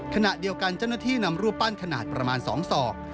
ขณะเดียวกันเจ้าหน้าที่นำรูปปั้นขนาดประมาณ๒ศอก